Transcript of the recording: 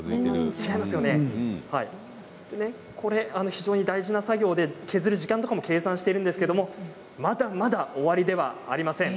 非常に大事な作業で削る時間なども計算していますがまだまだ終わりではありません。